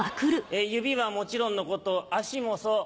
指はもちろんのこと足もそう。